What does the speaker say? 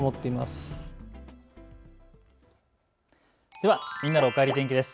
ではみんなのおかえり天気です。